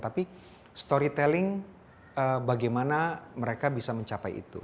tapi storytelling bagaimana mereka bisa mencapai itu